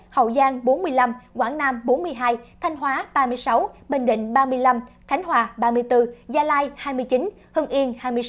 hậu giang bốn mươi năm quảng nam bốn mươi hai thanh hóa ba mươi sáu bình định ba mươi năm khánh hòa ba mươi bốn gia lai hai mươi chín hưng yên hai mươi sáu